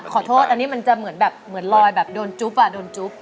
ขอโทษอันนี้มันจะเหมือนแบบเหมือนลอยแบบโดนจุ๊บอ่ะโดนจุ๊บ